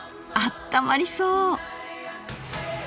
あったまりそう！